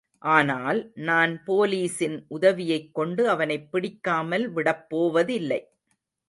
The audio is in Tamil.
ஆனால், நான் போலீசின் உதவியைக்கொண்டு அவனைப் பிடிக்காமல் விடப்போவதில்லை.